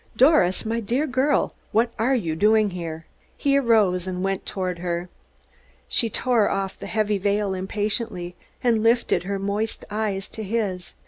"Doris, my dear girl, what are you doing here?" He arose and went toward her. She tore off the heavy veil impatiently, and lifted her moist eyes to his.